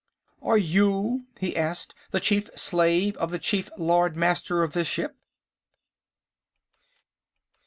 "Are you," he asked, "the chief slave of the chief Lord Master of this ship?"